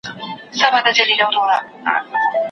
بس د اوښکو په لمن کي په خپل زخم کی اوسېږم